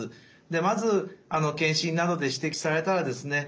でまず検診などで指摘されたらですね